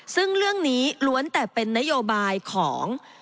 ซึ่งเรื่องนี้ล้วนแต่เป็นนโยบายของ